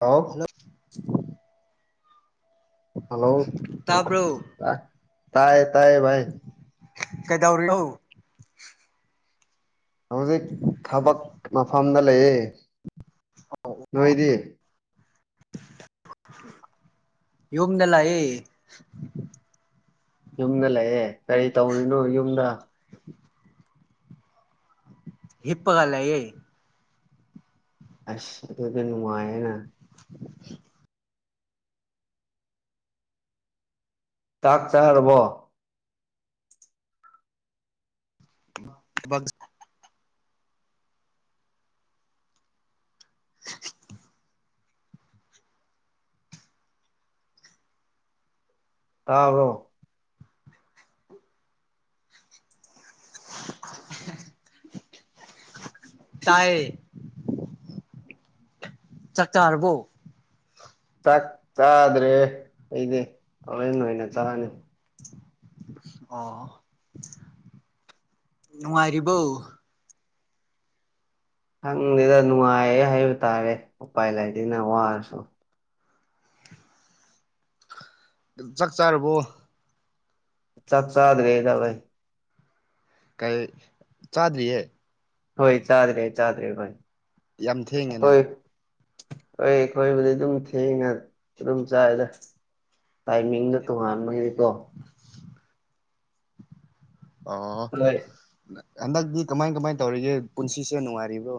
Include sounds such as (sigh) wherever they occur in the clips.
ꯍꯥꯎ hello ꯇꯥꯕ꯭ꯔꯣ ꯇꯥꯢ ꯇꯥꯏꯌꯦ ꯇꯥꯏꯌꯦ ꯚꯥꯏ ꯀꯩꯗꯧꯔꯤꯅꯣ ꯍꯧꯖꯤꯛ ꯊꯕꯛ ꯃꯐꯝꯗ ꯂꯩꯌꯦ ꯅꯣꯏꯗꯤ ꯌꯨꯝꯗ ꯂꯌꯦ ꯌꯨꯝꯗ ꯂꯩꯌꯦ ꯀꯔꯤ ꯇꯧꯔꯤꯅꯣ ꯌꯨꯝꯗ ꯍꯤꯞꯄꯒ ꯂꯩꯌꯦ ꯑꯁ ꯑꯗꯨꯗꯤ ꯅꯨꯉꯥꯏꯌꯦꯅ (inaudible) ꯆꯥꯛ ꯆꯥꯅꯔꯕꯣ (unintelligible) (inaudible) ꯇꯥꯥꯕ꯭ꯔꯣ (unintelligible) ꯇꯥꯏꯌꯦ ꯆꯥꯛ ꯆꯥꯔꯕꯣ ꯥꯆꯥꯛ ꯆꯥꯗ꯭ꯔꯤꯌꯦ ꯑꯩꯗꯤ ꯍꯦꯔꯦꯟ ꯑꯣꯏꯅ ꯆꯥꯔꯅꯤ ꯑꯣ ꯅꯨꯡꯉꯥꯏꯔꯤꯕꯣ ꯈꯪꯗꯦꯗ ꯅꯨꯡꯉꯥꯏꯌꯦ ꯍꯥꯏꯕ ꯇꯥꯔꯦ ꯎꯄꯥꯏ ꯂꯩꯥꯇꯦꯅ ꯋꯥꯔꯁꯨ ꯗꯨ ꯆꯥꯛ ꯆꯥꯔꯕꯣ ꯆꯥꯛ ꯆꯥꯗ꯭ꯔꯦꯗ ꯕꯩ ꯀꯩ ꯆꯥꯗ꯭ꯔꯤꯌꯦ ꯍꯣꯏ ꯆꯥꯗ꯭ꯔꯦ ꯆꯥꯗ꯭ꯔꯦ ꯍꯣꯏ ꯌꯥꯝ ꯊꯦꯡꯉꯦꯅ ꯍꯣꯏ ꯑꯩꯈꯣꯏꯕꯨꯗꯤ ꯑꯗꯨꯝ ꯊꯦꯡꯉ ꯑꯗꯨꯝ ꯆꯥꯏꯌꯦꯗ ꯇꯥꯏꯃꯤꯡꯗꯣ ꯇꯣꯉꯥꯟꯕꯒꯤꯀꯣ ꯑꯣ ꯍꯣꯏ ꯅ ꯑꯃꯗꯤ ꯀꯃꯥꯏꯟ ꯀꯃꯥꯏꯟ ꯇꯧꯔꯤꯒꯦ ꯄꯨꯟꯁꯤꯁꯦ ꯅꯨꯡꯉꯥꯏꯔꯤꯕ꯭ꯔꯣ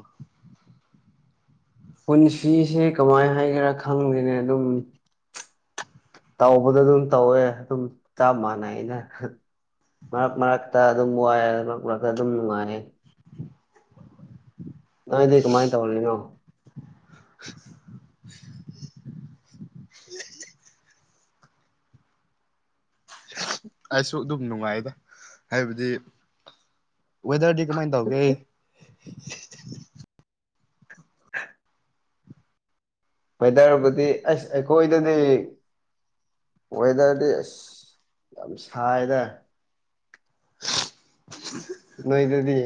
ꯄꯨꯟꯁꯤꯁꯦ ꯀꯃꯥꯏ ꯍꯥꯏꯒꯦꯔꯥ ꯈꯪꯗꯦꯅꯦ ꯑꯗꯨꯝ ꯇꯧꯕꯗ ꯑꯗꯨꯝ ꯇꯧꯋꯦ ꯑꯗꯨꯝ ꯆꯞ ꯃꯥꯟꯅꯩꯌꯦꯗ ꯍ ꯃꯔꯛ ꯃꯔꯛꯇ ꯑꯗꯨꯝ ꯋꯥꯏꯌꯦ ꯃꯔꯛ ꯃꯔꯛꯇ ꯑꯗꯨꯝ ꯅꯨꯡꯉꯥꯏꯌꯦ ꯅꯣꯏꯗꯤ ꯀꯃꯥꯏ ꯇꯧꯔꯤꯅꯣ (unintelligible) ꯑꯩꯁꯨ ꯑꯗꯨꯝ ꯅꯨꯡꯉꯥꯏꯌꯦꯗ ꯍꯥꯏꯕꯗꯤ ꯋꯦꯗꯔꯗꯤ ꯀꯃꯥꯏꯟ ꯇꯧꯒꯦ (unintelligible) ꯋꯦꯗꯔꯕꯨꯗꯤ ꯑꯁ ꯑꯩꯈꯣꯏꯗꯗꯤ ꯋꯦꯗꯔꯗꯤ ꯑꯁ ꯌꯥꯝ ꯁꯥꯏꯗ ꯅꯣꯏꯗꯗꯤ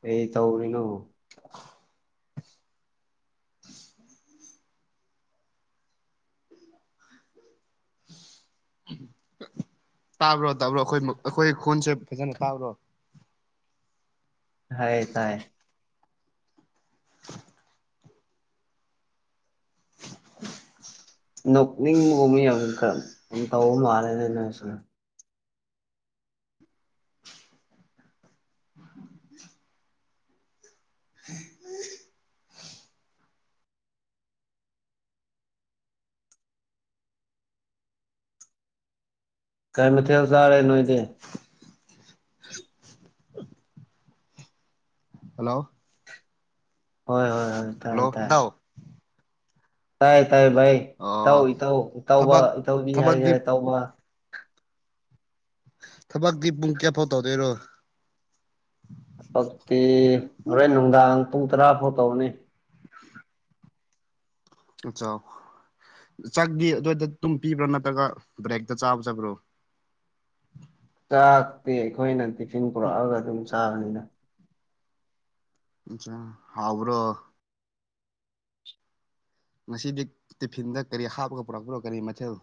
ꯀꯩ ꯇꯧꯔꯤꯅꯣ (inaudible) (inaudible) ꯇꯥꯕ꯭ꯔꯣ ꯇꯥꯕ꯭ꯔꯣ ꯑꯩꯈꯣꯏ ꯃ ꯑꯩꯈꯣꯏ ꯈꯣꯟꯁꯦ ꯐꯖꯅ ꯇꯥꯕ꯭ꯔꯣ ꯇꯥꯏꯌꯦ ꯇꯥꯏ ꯅꯣꯛꯅꯤꯡꯕꯒꯨꯝꯕ ꯌꯥꯝ ꯈꯔ ꯇꯧꯕ ꯃꯥꯜꯂꯦꯅꯦ ꯅꯪꯁꯦ ꯀꯔꯤ ꯃꯊꯦꯜ ꯆꯥꯔꯦ ꯅꯣꯏꯗꯤ ꯍꯜꯂꯣ ꯍꯣꯏ ꯍꯣꯏ ꯍꯣꯏ ꯇꯥꯔꯦ ꯍꯜꯂꯣ ꯇꯥꯔꯦ ꯏꯇꯥꯎ ꯇꯥꯏ ꯇꯥꯏꯌꯦ ꯚꯥꯏ ꯏꯇꯥꯎ ꯑꯣ ꯏꯇꯥꯎ ꯏꯇꯥꯎꯕ ꯊꯕꯛ ꯏꯇꯥꯎꯕꯤ ꯍꯥꯏꯒꯦꯔꯥ ꯊꯕꯛꯇꯤ ꯏꯇꯥꯎꯕꯥ ꯊꯕꯛꯇꯤ ꯄꯨꯡ ꯀꯌꯥꯐꯥꯎ ꯇꯧꯗꯣꯏꯔꯣ ꯄꯛꯇꯦ ꯍꯣꯔꯦꯟ ꯅꯨꯡꯗꯥꯡ ꯄꯨꯡ ꯇꯔꯥ ꯐꯥꯎ ꯇꯧꯒꯅꯤ ꯇꯨꯆꯥꯥꯎ ꯆꯥꯛꯗꯤ ꯑꯗ꯭ꯋꯥꯏꯗ ꯗꯨꯝ ꯄꯤꯕ꯭ꯔꯥ ꯅꯠꯇ꯭ꯔꯒ ꯕ꯭ꯔꯦꯛꯇ ꯆꯥꯕ ꯆꯠꯄ꯭ꯔꯣ ꯆꯥꯛꯇꯤ ꯑꯩꯈꯣꯏꯅ ꯇꯤꯐꯤꯟ ꯄꯨꯔꯛꯑꯒ ꯑꯗꯨꯝ ꯆꯥꯕꯅꯤꯗ ꯏꯟꯁꯥꯡ ꯍꯥꯎꯕ꯭ꯔꯣ ꯉꯁꯤꯗꯤ ꯇꯤꯐꯤꯟꯗ ꯀꯔꯤ ꯍꯥꯞꯄꯒ ꯄꯨꯔꯛꯄ꯭ꯔꯣ ꯀꯔꯤ ꯃꯊꯦꯜ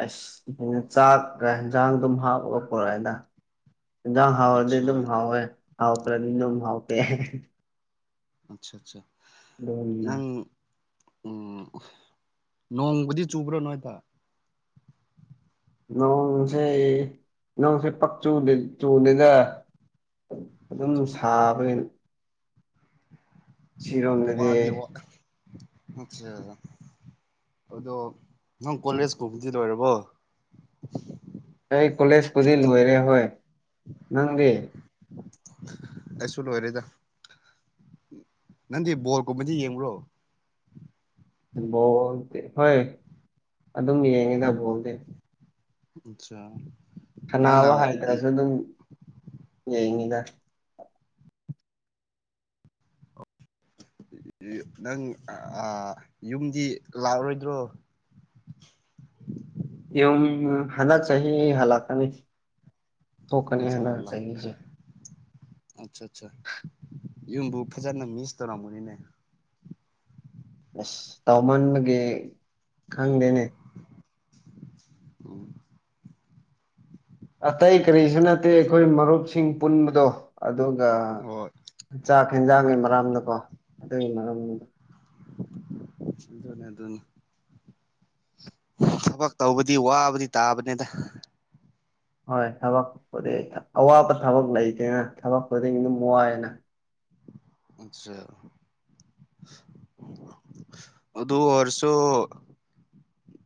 ꯑꯩꯁ (unintelligible) ꯆꯥꯛꯀ ꯍꯤꯟꯖꯥꯡ ꯑꯗꯨꯝ ꯍꯥꯞꯄꯒ ꯄꯣꯔꯛꯑꯦꯗ ꯏꯟꯖꯥꯡ ꯍꯥꯎꯔꯗꯤ ꯑꯠꯆꯥ ꯑꯗꯨꯝ ꯍꯥꯎꯋꯦ ꯍꯥꯎꯇ꯭ꯔꯗꯤ ꯑꯗꯨꯝ ꯍꯥꯎꯇꯦ ꯑꯠꯁꯥ ꯑꯠꯁꯥ (unintelligible) ꯎꯝ ꯅꯣꯡꯕꯨꯗꯤ ꯆꯨꯕ꯭ꯔꯣ ꯅꯣꯏꯗ ꯅꯣꯡꯁꯦ ꯅꯣꯡꯁꯦ ꯄꯛꯆꯨꯗꯤ ꯆꯨꯗꯦꯗ ꯑꯗꯨꯝ ꯁꯥꯕꯒꯤꯅꯤ ꯁꯤꯔꯣꯝꯗꯗꯤ ꯋꯥꯗꯤ ꯋꯥ (unintelligible) ꯑꯗꯣ ꯅꯪ ꯀꯣꯂꯦꯖ ꯀꯨꯝꯕꯗꯤ ꯂꯣꯏꯔꯕꯣ ꯑꯩ ꯀꯣꯂꯦꯖꯄꯨꯗꯤ ꯂꯣꯏꯔꯦ ꯍꯣꯏ ꯅꯪꯗꯤ ꯑꯩꯁꯨ ꯂꯣꯏꯔꯦꯗ ꯅꯪꯗꯤ ꯕꯣꯜ ꯀꯨꯝꯕꯗꯤ ꯌꯦꯡꯕ꯭ꯔꯣ ꯕꯣꯜꯗꯤ ꯍꯣꯏ ꯑꯗꯨꯝ ꯌꯦꯡꯉꯤꯗ ꯕꯣꯜꯗꯤ (unintelligible) ꯅꯪꯅ ꯁꯥꯟꯅꯕ ꯍꯥꯏꯗ꯭ꯔꯁꯨ ꯗꯨꯝ ꯌꯦꯡꯉꯤꯗ ꯅꯪ ꯑꯥ ꯌꯨꯝꯗꯤ ꯂꯥꯎꯔꯣꯏꯗ꯭ꯔꯣ (inaudible) ꯌꯨꯝ ꯍꯟꯗꯛ ꯆꯍꯤ ꯍꯂꯛꯀꯅꯤ (unintelligible) ꯑꯠꯆꯥ ꯆꯥ ꯌꯨꯝꯕꯨ ꯐꯖꯟꯅ ꯃꯤꯁ ꯇꯧꯔꯝꯒꯅꯤꯅꯦ ꯑ꯭ꯁ ꯇꯧꯃꯟꯕꯒꯤ ꯈꯪꯗꯦꯅꯦ ꯎꯝ ꯑꯇꯩ ꯀꯔꯤꯁꯨ ꯅꯠꯇꯦ ꯑꯩꯈꯣꯏ ꯃꯔꯨꯞꯁꯤꯡ ꯄꯨꯟꯕꯗꯣ ꯑꯗꯨꯒ ꯍꯣꯏ ꯆꯥꯛ ꯍꯦꯟꯖꯥꯡꯒꯤ ꯃꯔꯝꯗꯀꯣ ꯑꯗꯨꯏ ꯃꯔꯝꯅꯤꯗ ꯑꯗꯨꯅꯤ ꯑꯗꯨꯅꯤ ꯊꯕꯛ ꯇꯧꯕꯗꯤ ꯋꯥꯕꯗꯤ ꯇꯥꯕꯅꯦꯗ ꯍꯣꯏ ꯊꯕꯛ ꯄꯨꯗꯤ ꯑꯋꯥꯕ ꯊꯕꯛ ꯂꯩꯇꯦꯅ ꯊꯕꯛ ꯈꯨꯗꯤꯡꯒꯤ ꯑꯗꯨꯝ ꯋꯥꯏꯌꯦꯅ (unintelligible) ꯑꯗꯨ ꯑꯣꯏꯔꯁꯨ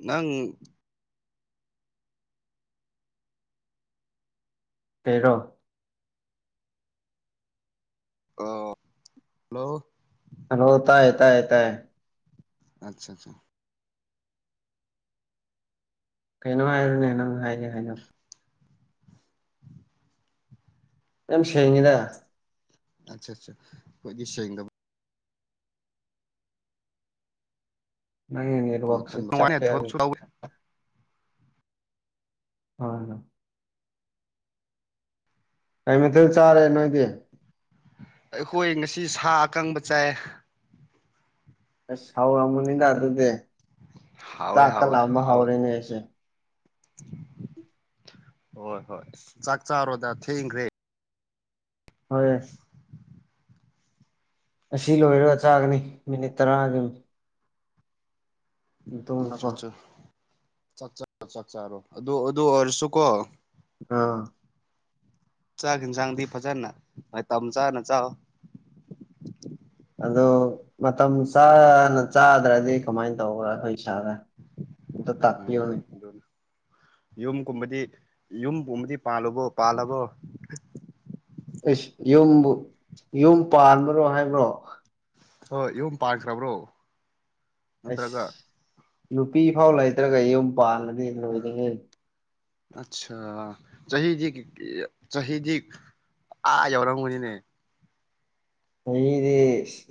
ꯅꯪ ꯀꯩꯔꯣ ꯑ ꯍꯜꯂꯣ ꯍꯥꯏꯔꯣ ꯇꯥꯏꯌꯦ ꯇꯥꯏꯌꯦ ꯇꯥꯏꯌꯦ ꯑꯠꯁꯥ ꯁꯥ ꯀꯩꯅꯣ ꯍꯥꯏꯌꯨꯅꯦ ꯅꯪ ꯍꯥꯏꯒꯦ ꯍꯥꯏꯗꯣ ꯌꯥꯝ ꯁꯦꯡꯉꯦꯗ ꯑꯆꯥ ꯆꯥ ꯈꯣꯏꯗꯤ ꯁꯦꯡꯗꯕ ꯅꯪꯒꯤ ꯅꯦꯠꯋꯥꯛꯁꯦ ꯈꯟꯕ ꯆꯞꯄꯦ ꯅꯨꯡꯉꯥꯏꯅ ꯍꯥ ꯊꯕꯛꯁꯨ ꯇꯧ (unintelligible) ꯀꯩ ꯃꯊꯦꯜ ꯆꯥꯔꯦ ꯅꯣꯏꯗꯤ ꯑꯩꯈꯣꯏ ꯉꯁꯤ ꯁꯥ ꯑꯀꯪꯕ ꯆꯥꯏ ꯑꯁ ꯍꯥꯎꯔꯝꯒꯅꯤꯗ ꯑꯗꯨꯗꯤ ꯍꯥꯎꯋꯦ ꯆꯥꯛꯀ ꯍꯥꯎꯋꯦ ꯂꯥꯝꯕ ꯍꯥꯎꯋꯦ ꯍꯧꯔꯦꯅꯦ ꯑꯩꯁꯦ ꯍꯣꯏ ꯍꯣꯏ ꯆꯥꯛ ꯆꯥꯔꯣꯗ ꯊꯦꯡꯈ꯭ꯔꯦ ꯍꯣꯏ ꯑꯁꯤ ꯂꯣꯏꯔ ꯆꯥꯒꯅꯤ ꯃꯤꯅꯤꯠ ꯇꯔꯥ ꯗꯨꯝ ꯃꯇꯨꯡꯗꯀꯣ ꯑꯆꯥ ꯆꯥ ꯆꯥꯛ ꯆꯥꯔꯣ ꯆꯥꯛ ꯆꯥꯔꯣ ꯑꯗꯨ ꯑꯗꯨ ꯑꯣꯏꯔꯁꯨꯀꯣ ꯑꯥ ꯆꯥꯛ ꯍꯦꯟꯖꯥꯡꯗꯤ ꯐꯖꯟꯅ ꯃꯇꯝ ꯆꯥꯅ ꯆꯥꯎ ꯑꯗꯣ ꯃꯇꯝ ꯆꯥꯅ ꯆꯥꯗ꯭ꯔꯗꯤ ꯀꯃꯥꯏꯅ ꯇꯧꯕ ꯑꯈꯣꯏ ꯏꯁꯥꯗ ꯑꯝꯇꯥ ꯇꯥꯛꯄꯤꯌꯣꯍꯦ ꯌꯨꯝꯀꯨꯝꯕꯗꯤ ꯌꯨꯝꯕꯨꯝꯕꯗꯤ ꯄꯥꯜꯂꯕꯣ ꯄꯥꯜꯂꯕꯣ ꯑꯦꯁ ꯌꯨꯝꯕꯨ ꯌꯨꯝ ꯄꯥꯟꯕ꯭ꯔꯣ ꯍꯥꯏꯕ꯭ꯔꯣ ꯍꯣꯏ ꯌꯨꯝ ꯄꯥꯟꯈ꯭ꯔꯕ꯭ꯔꯣ ꯑꯁ ꯅꯠꯇ꯭ꯔꯒ ꯅꯨꯄꯤ ꯐꯥꯎ ꯂꯩꯇ꯭ꯔꯒ ꯌꯨꯝ ꯄꯥꯜꯂꯗꯤ ꯂꯣꯏꯔꯦꯍꯦ ꯑꯠꯁꯥ ꯆꯍꯤꯗꯤ ꯆꯍꯤꯗꯤ ꯑꯥ ꯌꯧꯔꯝꯒꯅꯤꯅꯦ ꯆꯍꯤꯗꯤ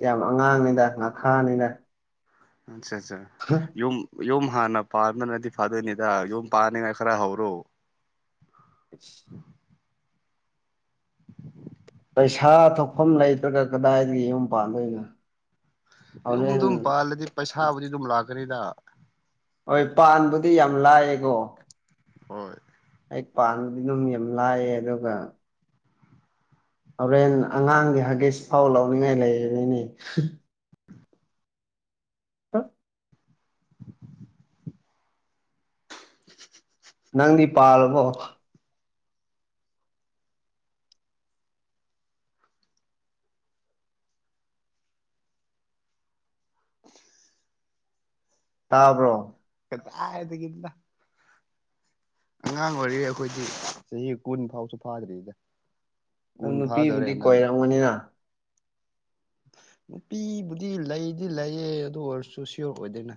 ꯌꯥꯝ ꯑꯉꯥꯡꯅꯤꯗ ꯉꯈꯥꯅꯤꯗ ꯆꯥ ꯆꯥ ꯌꯨꯝ ꯌꯨꯝ ꯍꯥꯟꯅ ꯄꯥꯟꯕꯅꯗꯤ ꯐꯥꯗꯣꯏꯅꯤꯗ ꯌꯨꯝ ꯄꯥꯟꯅꯤꯡꯉꯥꯏ ꯈꯔ ꯍꯧꯔꯣ ꯏꯁ ꯄꯩꯁꯥ ꯊꯣꯛꯐꯝ ꯂꯩꯇ꯭ꯔꯒ ꯀꯗꯥꯏꯗꯒꯤ ꯌꯨꯝ ꯄꯥꯟꯗꯣꯏꯅꯣ ꯌꯨꯝ ꯍꯣꯔꯦꯟ ꯗꯨꯝ ꯄꯥꯜꯂꯗꯤ ꯄꯩꯁꯥꯕꯨꯗꯤ ꯑꯗꯨꯝ ꯂꯥꯛꯀꯅꯤꯗ ꯍꯣꯏ ꯄꯥꯟꯕꯨꯗꯤ ꯌꯥꯝ ꯂꯥꯏꯌꯦꯀꯣ ꯍꯣꯢ ꯑꯩ ꯄꯥꯟꯕꯗꯤ ꯗꯨꯝ ꯌꯥꯝ ꯂꯥꯏꯌꯦ ꯑꯗꯨꯒ ꯍꯣꯔꯦꯟ ꯑꯉꯥꯡꯒꯤ ꯍꯥꯒꯤꯁ ꯐꯥꯎ ꯂꯧꯅꯤꯡꯉꯥꯏ ꯂꯩꯔꯣꯢꯅꯦ (unintelligible) (inaudible) ꯅꯪꯗꯤ ꯄꯥꯜꯂꯕꯣ (inaudible) ꯇꯥꯕ꯭ꯔꯣ ꯀꯗꯥꯢꯗꯒꯤꯅꯣꯗ ꯑꯉꯥꯡ ꯑꯣꯏꯔꯤꯌꯦ ꯑꯩꯈꯣꯏꯗꯤ ꯆꯍꯤ ꯀꯨꯟ ꯐꯥꯎꯁꯨ ꯐꯥꯗ꯭ꯔꯤꯗ ꯅꯪ ꯀꯨꯟ ꯐꯥꯗꯧꯔꯦ ꯅꯨꯄꯤꯕꯨꯗꯤ ꯍꯟꯗꯛꯅ ꯀꯣꯏꯔꯝꯒꯅꯤꯅ ꯅꯨꯄꯤꯕꯨꯗꯤ ꯂꯩꯗꯤ ꯂꯩꯌꯦ ꯑꯗꯨ ꯑꯣꯏꯔꯁꯨ ꯁꯤꯌꯣꯔ ꯑꯣꯏꯗꯦꯅ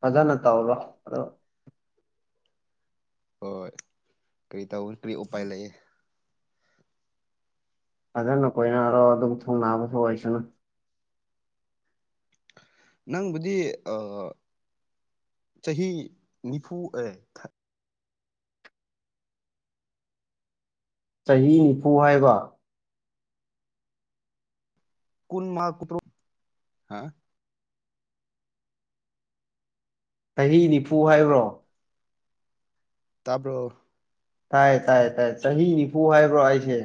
ꯐꯖꯅ ꯇꯧꯔꯣ ꯑꯗꯣ ꯍꯣꯏ ꯀꯔꯤ ꯇꯧ ꯀꯔꯤ ꯎꯄꯥꯏ ꯂꯩꯌꯦ ꯐꯖꯅ ꯀꯣꯏꯅꯔꯣ ꯑꯗꯨꯒ ꯊꯨꯡꯅꯥꯕꯁꯨ ꯑꯣꯏꯁꯅꯨ ꯅꯪꯕꯨꯗꯤ ꯑ ꯆꯍꯤ ꯅꯤꯐꯨ ꯑꯦ ꯊ ꯆꯍꯤ ꯅꯤꯐꯨ ꯍꯥꯏꯕ ꯀꯨꯟ ꯃꯥ ꯀꯨꯇ꯭ꯔꯨ ꯍ ꯆꯍꯤ ꯅꯤꯐꯨ ꯍꯥꯏꯕ꯭ꯔꯣ ꯇꯥꯕ꯭ꯔꯣ ꯇꯥꯏ ꯇꯥꯏ ꯇꯥꯏ ꯆꯍꯤ ꯅꯤꯐꯨ ꯍꯥꯏꯕ꯭ꯔꯣ ꯑꯩꯁꯦ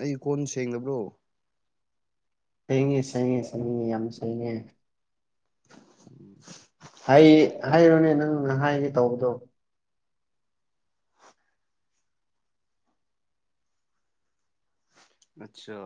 ꯑꯩ ꯀꯣꯟ ꯁꯦꯡꯗꯕ꯭ꯔꯣ ꯁꯦꯡꯉꯦ ꯁꯦꯡꯉꯦ ꯁꯦꯡꯉꯦ ꯌꯥꯝ ꯁꯦꯡꯉꯦ (inaudible) ꯑꯩ ꯍꯥꯢꯔꯣꯅꯦ ꯅꯪꯅ ꯍꯥꯏꯒꯦ ꯇꯧꯕꯗꯣ ꯑꯠꯆꯥ